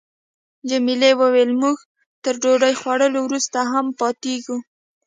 جميلې وويل: موږ تر ډوډۍ خوړلو وروسته هم پاتېږو.